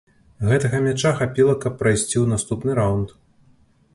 Гэтага мяча хапіла, каб прайсці ў наступны раўнд.